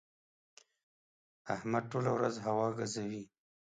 احمد ټوله ورځ هوا ګزوي.